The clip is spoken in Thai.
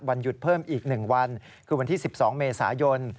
วันหยุดเพิ่มอีก๑วันคือวันที่๑๒เมษายน